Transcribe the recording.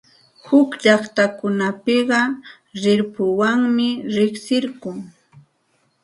Huk llaqtakunapiqa rirpuwanmi riqsinku.